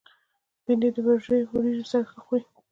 بېنډۍ د وریژو سره ښه خوري